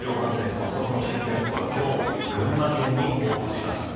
コストコの新店舗が今日、群馬県にオープンします。